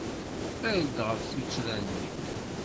Err-d ɣef tuttra-nni.